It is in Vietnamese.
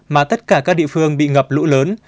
mà tất cả các địa phương bị ngập lũ lớn